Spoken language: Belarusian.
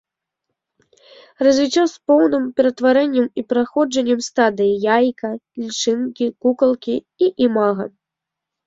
Развіццё з поўным ператварэннем і праходжаннем стадыі яйка, лічынкі, кукалкі і імага.